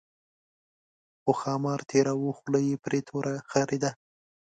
خو ښامار تېراوه خوله یې پر توره خرېده.